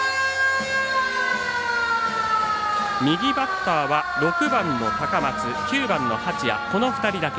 右バッターは６番の高松９番の八谷、この２人だけ。